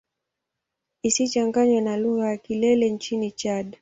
Isichanganywe na lugha ya Kilele nchini Chad.